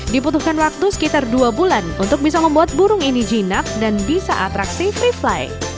diputuhkan waktu sekitar dua bulan untuk bisa membuat burung ini jinak dan bisa atraksi free fly